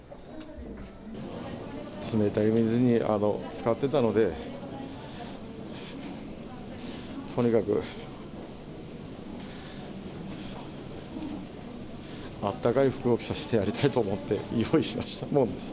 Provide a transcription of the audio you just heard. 冷たい水につかってたので、とにかく、あったかい服を着させてやりたいと思って用意しました。